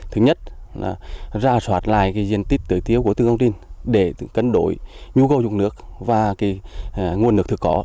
thứ nhất là ra soát lại diện tích tử tiếu của tư công trình để cân đổi nhu cầu dùng nước và nguồn nước thực có